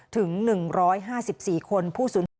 ถึงหนึ่งร้อยห้าสิบสี่คนผู้สูญ